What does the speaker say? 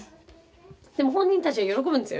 でも本人たちは喜ぶんですよ。